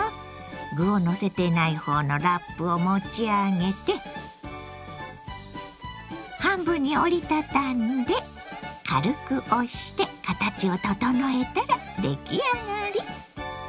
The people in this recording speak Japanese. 具をのせていない方のラップを持ち上げて半分に折り畳んで軽く押して形を整えたら出来上がり！